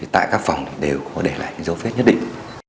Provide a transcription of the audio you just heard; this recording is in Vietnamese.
tại các phòng đều có để lại những dấu vết nhất định